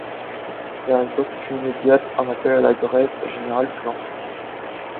La riposte fut immédiate, un appel à la grève générale fut lancé.